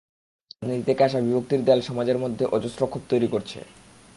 রাজনীতি থেকে আসা বিভক্তির দেয়াল সমাজের মধ্যে অজস্র খোপ তৈরি করছে।